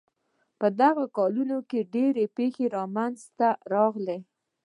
په دغو کلونو کې ډېرې پېښې منځته راغلې.